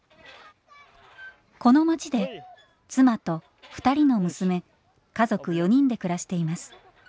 この街で妻と２人の娘家族４人で暮らしています。